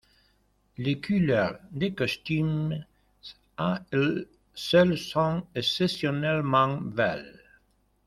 Les couleurs des costumes à elles seules sont exceptionnellement belles.